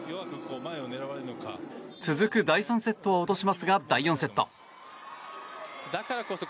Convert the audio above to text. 続く第３セットを落としますが第４セット。